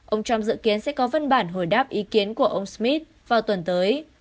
ông trump dự kiến sẽ có văn bản hồi đáp ý kiến của ông smith vào tuần tới